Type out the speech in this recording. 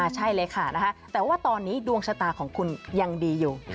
ใช่เลยค่ะแต่ว่าตอนนี้ดวงชะตาของคุณยังดีอยู่